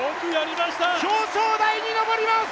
表彰台に上ります。